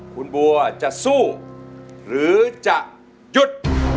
คุณบัวจะสู้หรือจะหยุด